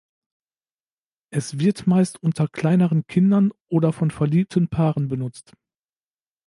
Es wird meist unter kleineren Kindern oder von verliebten Paaren benutzt.